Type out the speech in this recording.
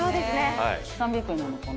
３００円なのかな？